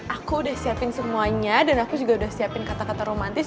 aku udah siapin semuanya dan aku juga udah siapin kata kata romantis